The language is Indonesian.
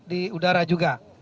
di udara juga